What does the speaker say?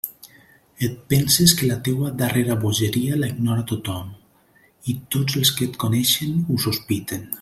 Et penses que la teua darrera bogeria la ignora tothom, i tots els que et coneixen ho sospiten.